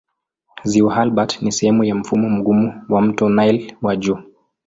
Ziwa Albert ni sehemu ya mfumo mgumu wa mto Nile wa juu.